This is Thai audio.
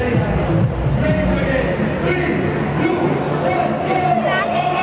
ว้าวว้าวว้าวว้าว